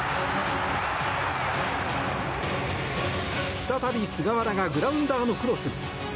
再び菅原がグラウンダーのクロス。